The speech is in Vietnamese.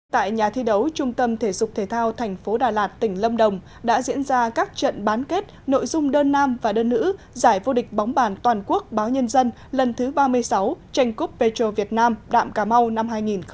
tại nhà thi đấu trung tâm thể dục thể thao thành phố đà lạt tỉnh lâm đồng đã diễn ra các trận bán kết nội dung đơn nam và đơn nữ giải vô địch bóng bàn toàn quốc báo nhân dân lần thứ ba mươi sáu tranh cup petro việt nam đạm cà mau năm hai nghìn một mươi chín